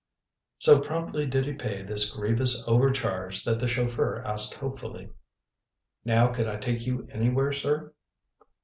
So promptly did he pay this grievous overcharge that the chauffeur asked hopefully: "Now could I take you anywhere, sir?"